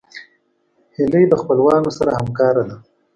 هیلۍ د خپلوانو سره همکاره ده